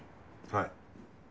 はい。